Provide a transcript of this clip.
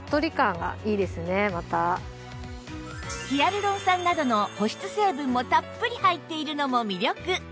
ヒアルロン酸などの保湿成分もたっぷり入っているのも魅力